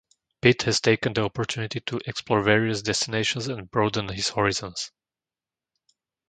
Pitt has taken the opportunity to explore various destinations and broaden his horizons.